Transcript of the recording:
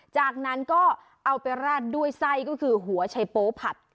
จากนั้นก็เอาไปราดด้วยไส้ก็คือหัวชัยโป๊ผัด